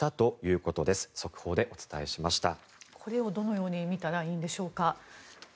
これをどのように見たらいいんでしょうか。